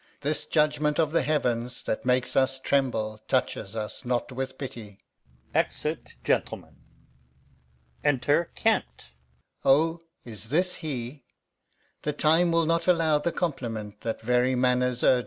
] This judgement of the heavens, that makes us tremble Touches us not with pity. O, is this he? The time will not allow the compliment That very manners urges.